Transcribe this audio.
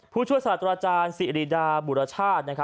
ผู้ช่วยสถาตราจารย์สีอรีดาบุตรชาติ